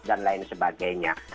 dan lain sebagainya